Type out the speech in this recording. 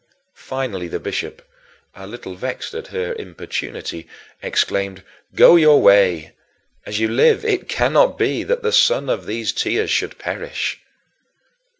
Finally the bishop, a little vexed at her importunity, exclaimed, "Go your way; as you live, it cannot be that the son of these tears should perish."